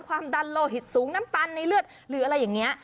ความดันโลหิตสูงน้ำตาลในเลือดหรืออะไรอย่างนี้